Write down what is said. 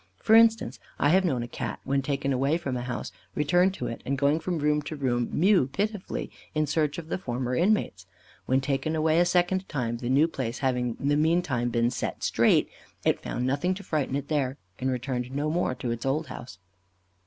For instance, I have known a Cat when taken away from a house, return to it, and going from room to room, mew pitifully, in search of the former inmates. When taken away a second time, the new place having in the meantime been set straight, it found nothing to frighten it there, and returned no more to its old house.